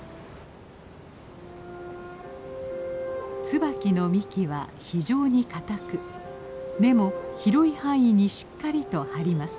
ツバキの幹は非常に堅く根も広い範囲にしっかりと張ります。